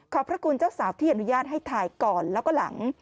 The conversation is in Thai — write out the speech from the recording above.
พระคุณเจ้าสาวที่อนุญาตให้ถ่ายก่อนแล้วก็หลัง